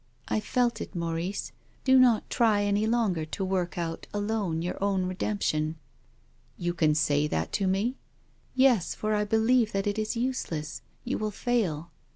" I felt it, Maurice ; do not try any longer to work out alone your own redemption." " You can say that to mc ?"" Yes, for I believe that it is useless — you will fail."